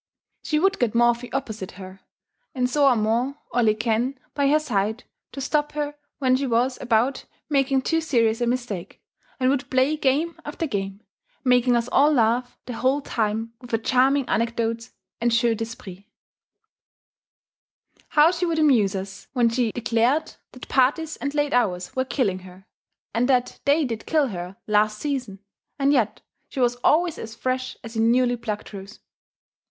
She would get Morphy opposite her, and St. Amant or Lequesne by her side to stop her when she was about making too serious a mistake, and would play game after game, making us all laugh the whole time with her charming anecdotes and jeux d'esprit. How she would amuse us when she declared that parties and late hours were killing her, and that they did kill her last season, and yet she was always as fresh as a newly plucked rose.